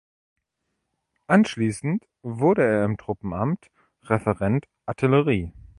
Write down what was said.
Anschließend wurde er im Truppenamt "Referent Artillerie".